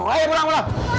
bapak rini tidak mau pulang